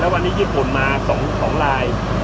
วันนี้ญี่ปุ่นมา๒ลาย